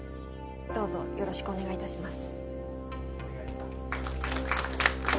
どうぞよろしくお願い致します。